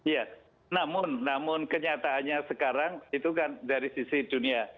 ya namun namun kenyataannya sekarang itu kan dari sisi dunia